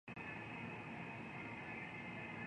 実質いくらという時、たいていその金額より高くつく